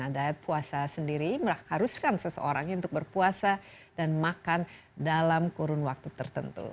diet puasa sendiri haruskan seseorang untuk berpuasa dan makan dalam kurun waktu tertentu